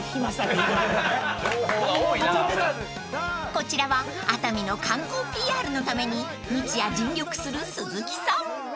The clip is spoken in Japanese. ［こちらは熱海の観光ＰＲのために日夜尽力する鈴木さん］